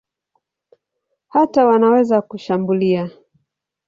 Hata wanaweza kushambulia.